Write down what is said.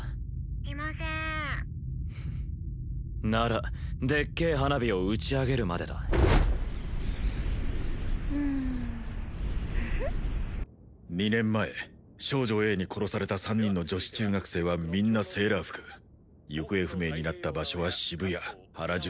いませーんフフッならでっけえ花火を打ち上げるまでだうんフフッ２年前少女Ａに殺された３人の女子中学生はみんなセーラー服行方不明になった場所は渋谷原宿